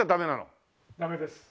ダメです。